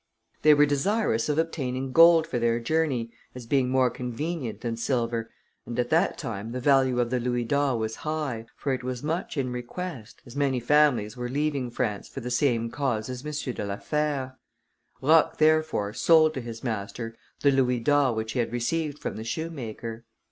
They were desirous of obtaining gold for their journey, as being more convenient than silver, and at that time the value of the louis d'or was high, for it was much in request, as many families were leaving France for the same cause as M. de la Fère. Roch therefore sold to his master the louis which he had received from the shoemaker.